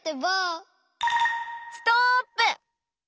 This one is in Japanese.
ストップ！